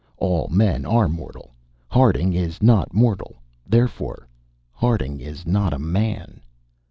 All men are mortal; Harding is not mortal; therefore, Harding is not a man!